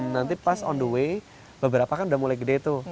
nanti pas on the way beberapa kan udah mulai gede tuh